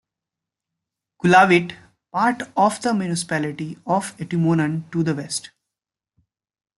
Kulawit, part of the Municipality of Atimonan to the west.